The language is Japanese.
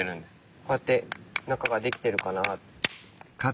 こうやって中が出来てるかな。